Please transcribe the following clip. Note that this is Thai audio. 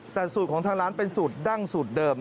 แต่สูตรของทางร้านเป็นสูตรดั้งสูตรเดิม